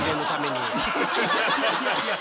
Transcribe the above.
いやいやいや。